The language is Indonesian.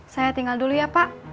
saya tinggal dulu ya pak